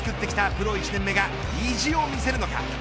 プロ１年目が意地を見せるのか。